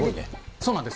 そうなんです。